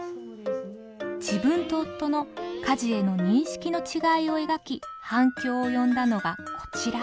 自分と夫の家事への認識の違いを描き反響を呼んだのがこちら。